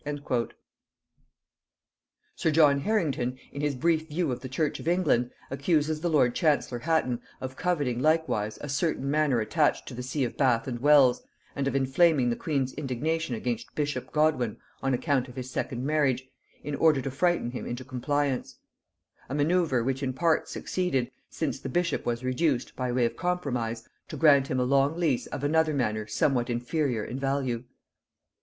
Sir John Harrington, in his Brief View of the Church of England, accuses the lord chancellor Hatton of coveting likewise a certain manor attached to the see of Bath and Wells, and of inflaming the queen's indignation against bishop Godwin on account of his second marriage, in order to frighten him into compliance; a manoeuvre which in part succeeded, since the bishop was reduced, by way of compromise, to grant him a long lease of another manor somewhat inferior in value.